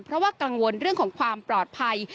เพราะว่ากังวลเรื่องของความปลอดภัย